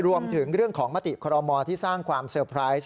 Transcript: รวมถึงเรื่องของมติคอรมอที่สร้างความเซอร์ไพรส์